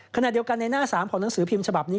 ขณะเดียวกันในหน้า๓ของหนังสือพิมพ์ฉบับนี้